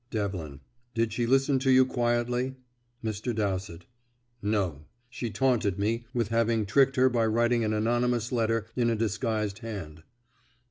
Devlin: "Did she listen to you quietly?" Mr. Dowsett: "No. She taunted me with having tricked her by writing an anonymous letter in a disguised hand."